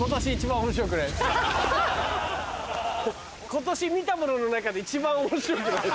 今年見たものの中で一番面白くない。